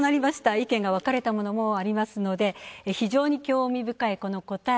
意見が分かれたものもありますので非常に興味深い、この答え。